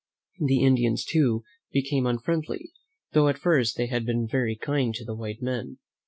The Indians, too, became unfriendly, though at first they had been very kind to the white men.